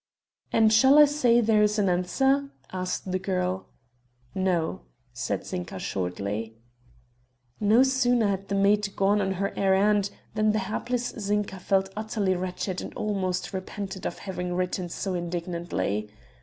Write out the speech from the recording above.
"And shall I say there is an answer?" asked the girl. "No," said Zinka shortly. No sooner had the maid gone on her errand than the hapless Zinka felt utterly wretched and almost repented of having written so indignantly...